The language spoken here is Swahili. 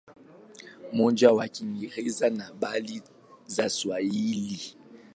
Moja ya Kiingereza na mbili za Kiswahili.